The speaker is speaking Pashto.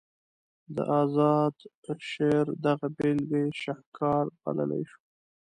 د اذاد شعر دغه بیلګه یې شهکار بللی شو.